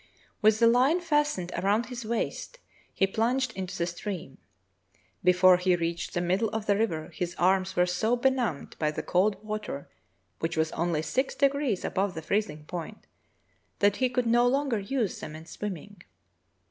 With the hne fastened around his waist, he plunged into the stream. Before he reached the middle of the river his arms were so benumbed by the cold water, which was only six degrees above the freezing point, that he could no longer use them in swimming.